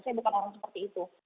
saya bukan orang seperti itu